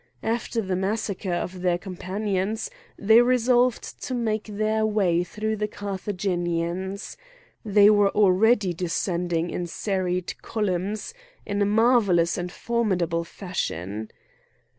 After the massacre of their companions they resolved to make their way through the Carthaginians; they were already descending in serried columns, in a marvellous and formidable fashion.